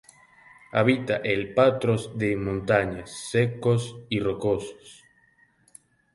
Habita en prados de montaña secos y rocosos.